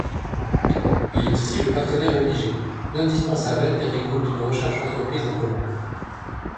Il est ici le partenaire obligé, l'indispensable alter ego d'une recherche entreprise en commun.